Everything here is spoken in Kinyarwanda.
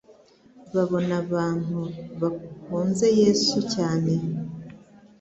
babona abantu bakunze Yesu cyane.